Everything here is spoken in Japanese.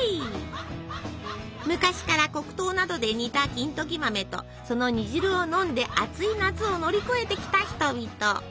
昔から黒糖などで煮た金時豆とその煮汁を飲んで暑い夏を乗り越えてきた人々。